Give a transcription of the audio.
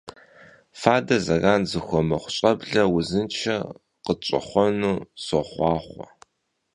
Fader zeran zıxuemıxhu ş'eble vuzınşşe khıtş'exhuenu soxhuaxhue!